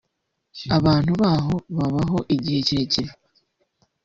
abantu baho babaho igihe kirekire